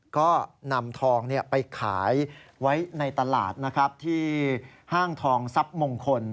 ก็นำทองไปขายไว้ในตลาดนะครับที่ห้างทองทรัพย์มงคล